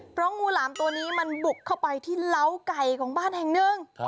เพราะงูหลามตัวนี้มันบุกเข้าไปที่เล้าไก่ของบ้านแห่งหนึ่ง